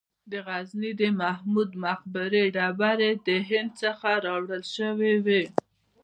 د غزني د محمود د مقبرې ډبرې د هند څخه راوړل شوې وې